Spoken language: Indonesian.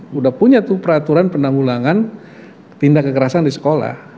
sudah punya tuh peraturan penanggulangan tindak kekerasan di sekolah